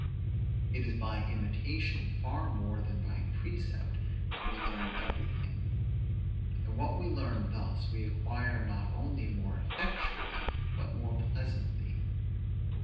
It is by imitation far more than by precept, that we learn everything; and what we learn thus, we acquire not only more effectually, but more pleasantly.